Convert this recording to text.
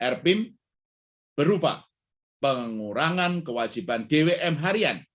rpim berupa pengurangan kewajiban dwm harian